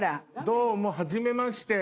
どうもはじめまして。